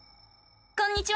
こんにちは！